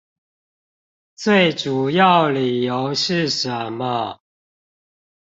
最主要理由是什麼？